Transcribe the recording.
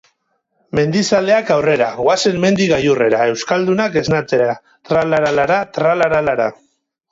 Mendizaleak aurrera, goazen mendi gailurrera, euskaldunak esnatzera, tralarala, tralarala.